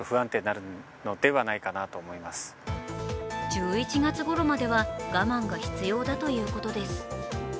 １１月ごろまでは我慢が必要だということです